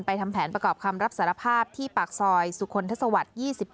ทำแผนประกอบคำรับสารภาพที่ปากซอยสุคลทศวรรค์๒๗